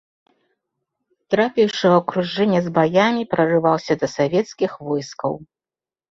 Трапіўшы ў акружэнне, з баямі прарываўся да савецкіх войскаў.